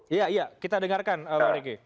iya iya kita dengarkan bang riki